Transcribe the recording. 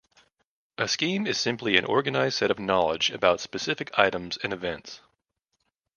A scheme is simply an organized set of knowledge about specific items and events.